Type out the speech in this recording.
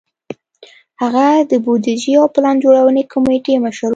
هغه د بودیجې او پلان جوړونې کمېټې مشر و.